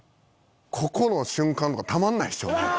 ここの瞬間とかたまんないでしょうね。